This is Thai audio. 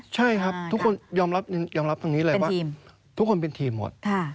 ใช่ครับทุกคนยอมรับตรงนี้เลยว่าทุกคนเป็นทีมหมด